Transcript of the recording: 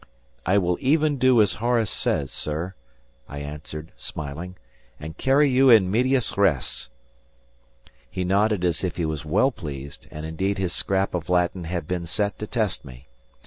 "I will even do as Horace says, sir," I answered, smiling, "and carry you in medias res." He nodded as if he was well pleased, and indeed his scrap of Latin had been set to test me.